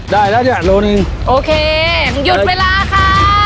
ได้แล้วเนี่ยโลหนึ่งโอเคหยุดเวลาค่ะ